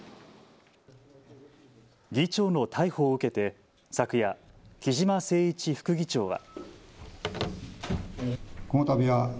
議長の逮捕を受けて昨夜、木嶋せい一副議長は。